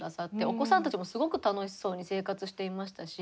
お子さんたちもすごく楽しそうに生活していましたし。